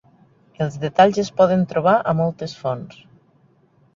Els detalls es poden trobar a moltes fonts.